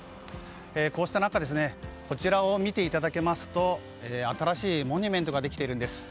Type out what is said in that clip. こうした中こちらを見ていただけますと新しいモニュメントができているんです。